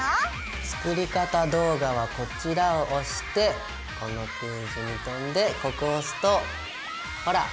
「作り方動画はこちら」を押してこのページに飛んでここを押すとほらっ！